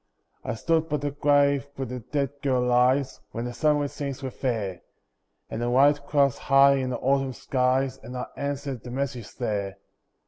I stood by the grave where the dead girl lies, When the sunlit scenes were fair, And the white clouds high in the autumn skies, And I answered the message there.